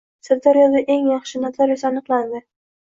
Sirdaryoda eng yaxshi notarius aniqlandi